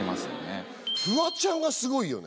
フワちゃんがすごいよね。